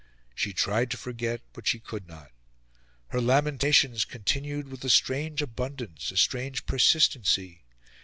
She tried to forget, but she could not. Her lamentations continued with a strange abundance, a strange persistency.